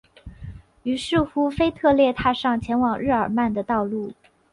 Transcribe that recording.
于是乎腓特烈踏上前往日尔曼的道路。